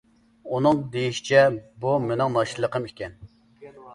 ئۇنىڭ دېيىشىچە، بۇ مېنىڭ ناشتىلىقىم ئىكەن.